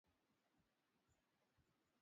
Mbuzi na kondoo hupata ugonjwa wa ngozi